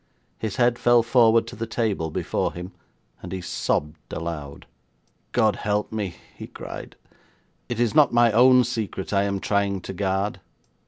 His head fell forward to the table before him, and he sobbed aloud. 'God help me!' he cried, 'it is not my own secret I am trying to guard.'